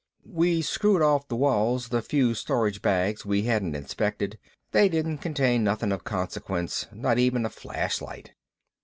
We screwed off the walls the few storage bags we hadn't inspected. They didn't contain nothing of consequence, not even a flashlight.